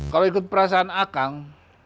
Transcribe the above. kalau ikut perasaan akang